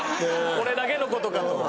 俺だけの事かと。